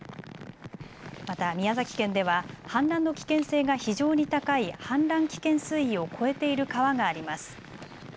また宮崎県では氾濫の危険性が非常に高い氾濫危険水位を超えている川があります。